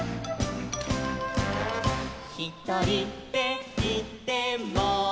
「ひとりでいても」